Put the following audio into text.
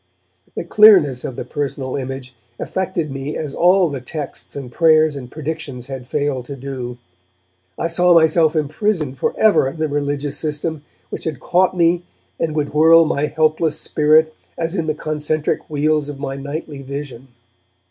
The clearness of the personal image affected me as all the texts and prayers and predictions had failed to do. I saw myself imprisoned for ever in the religious system which had caught me and would whirl my helpless spirit as in the concentric wheels of my nightly vision.